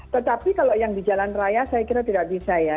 tetapi kalau yang di jalan raya saya kira tidak bisa ya